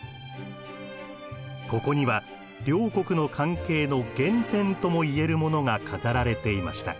ここには両国の関係の原点ともいえるものが飾られていました。